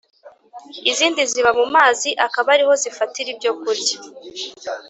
. Izindi ziba mu mazi akaba ari ho zifatira ibyo kurya